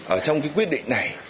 ở trong quyết định này